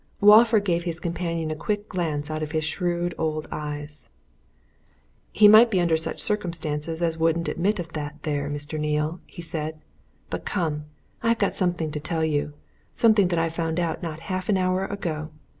Walford gave his companion a quick glance out of his shrewd old eyes. "He might be under such circumstances as wouldn't admit of that there, Mr. Neale," he said. "But come! I've got something to tell you something that I found out not half an hour ago.